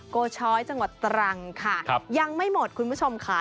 โกช้อยจังหวัดตรังค่ะยังไม่หมดคุณผู้ชมค่ะ